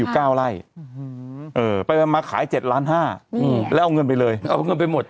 เก้าไร่อืมเออไปมาขายเจ็ดล้านห้าอืมแล้วเอาเงินไปเลยเอาเงินไปหมด